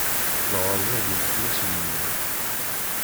Lɣerba d uletma-s n lmut.